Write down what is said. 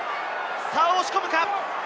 押し込むか？